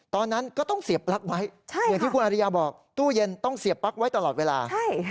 ตอนนั้นก็ต้องเสียบปลั๊กไว้อย่างที่คุณอริยาบอกตู้เย็นต้องเสียบปลั๊กไว้ตลอดเวลา